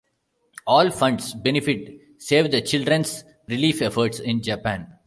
All funds benefit Save the Children's relief efforts in Japan.